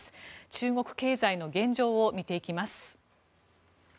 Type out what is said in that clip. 中国経済の現状を見ていきます。